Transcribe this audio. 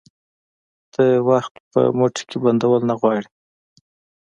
ته وخت په موټې کي بندول نه غواړي